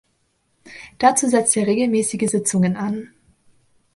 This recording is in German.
Dazu setzt er regelmäßige Sitzungen an.